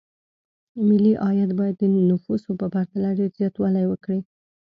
ملي عاید باید د نفوسو په پرتله ډېر زیاتوالی وکړي.